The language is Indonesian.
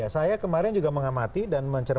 saya kemarin juga mengamati dan menceritakan